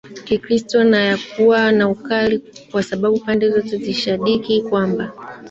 Kikristo na yalikuwa na ukali kwa sababu pande zote zilisadiki kwamba